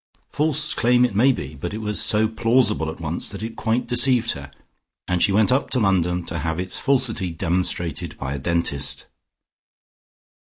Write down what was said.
False claim it might be, but it was so plausible at once that it quite deceived her, and she went up to London to have its falsity demonstrated by a dentist.